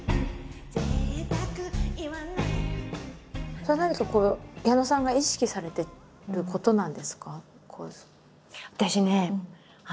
それは何かこう矢野さんが意識されてることなんですか？